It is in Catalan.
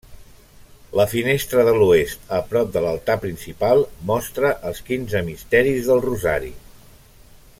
La finestra de l'oest, a prop de l'altar principal, mostra els quinze misteris del Rosari.